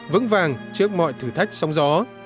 vững vàng trước mọi thử thách sóng gió